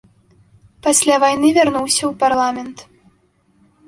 Пасля вайны вярнуўся ў парламент.